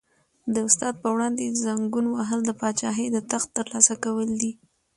د استاد په وړاندې زنګون وهل د پاچاهۍ د تخت تر لاسه کول دي.